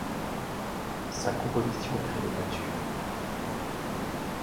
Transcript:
Sa composition est très débattue.